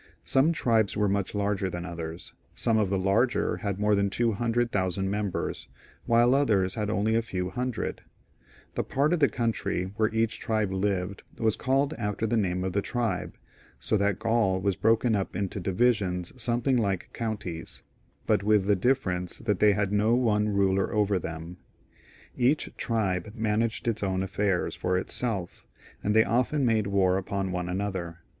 Some tribes were much larger than others ; some of the larger had more than two hundred thousand members, while others had only a few 8 CJSSAR IN GA UL. [CH. hundred. The part of the country where each tribe lived was called after the name of the tribe, so that Guul was broken up into divisions something like the English coun ties, but with the difference that they had no one ruler over them like our Queen, nor government of any kind like our Houses of Parliament. Each tribe managed its own affairs for itself, and they often made war upon one another.